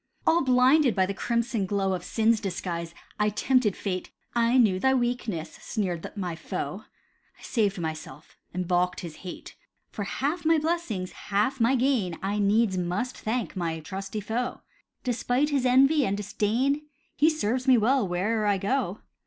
All blinded by the crimson glow Of sin's disguise, I tempted Fate. "I knew thy weakness!" sneered my foe, I saved myself, and balked his hate. For half my blessings, half my gain, I needs must thank my trusty foe; Despite his envy and disdain, He serves me well where'er I go.